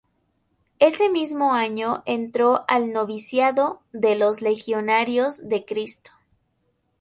Ese mismo año entró al noviciado de los Legionarios de Cristo.